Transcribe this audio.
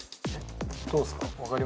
どうっすか？